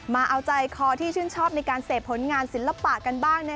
มาเอาใจคอที่ชื่นชอบในการเสพผลงานศิลปะกันบ้าง